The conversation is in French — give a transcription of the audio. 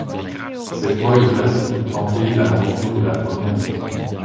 Cette fois, il reste pour tenter l'aventure de la première division.